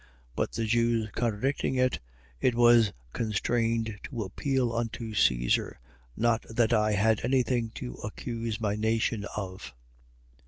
28:19. But the Jews contradicting it, I was constrained to appeal unto Caesar: not that I had anything to accuse my nation of.